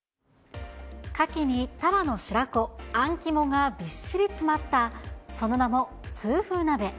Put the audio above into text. カキにタラの白子、あん肝がびっしり詰まった、その名も痛風鍋。